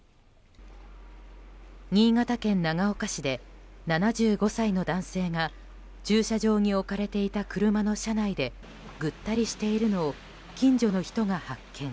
新潟県長岡市で７５歳の男性が駐車場に置かれていた車の車内でぐったりしているのを近所の人が発見。